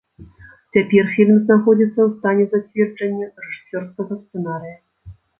Цяпер фільм знаходзіцца ў стане зацверджання рэжысёрскага сцэнарыя.